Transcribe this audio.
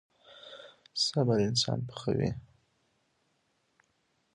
صبر انسان پخوي.